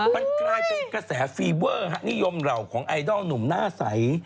มันกลายเป็นกระแสฟีเวอร์นิยมเหล่าของไอดอลหนุ่มหน้าใส